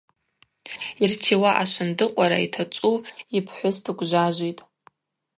Йыртиуа ашвындыкъвара йтачӏву йпхӏвыс дгвжважвитӏ.